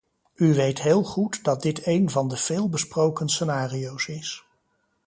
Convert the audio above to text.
U weet heel goed dat dit een van de veel besproken scenario's is.